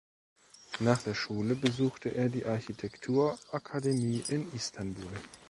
Nach der Schule besuchte er die Architektur Akademie in Istanbul.